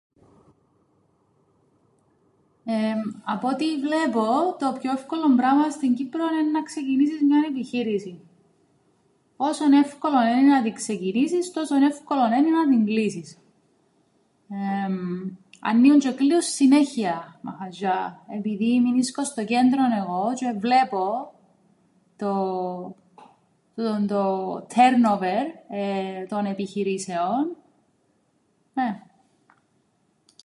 Εμ απ' ό,τι βλέπω το πιο εύκολον πράμαν στην Κύπρον εννά ξεκινήσεις μιαν επιχείρησην. Όσον εύκολον ένι να την ξεκινήσεις τόσον εύκολον ένι να την κλείσεις. Εεεμ αννοίουν τζ̆αι κλείουν συνέχειαν μαχαζ̆ιά, επειδή μεινίσκω στο κέντρον εγώ τζ̆αι βλέπω το τούτον το turnover των επιχειρήσεων, νναι.